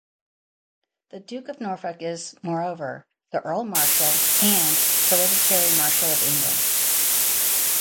The Duke of Norfolk is, moreover, the Earl Marshal and hereditary Marshal of England.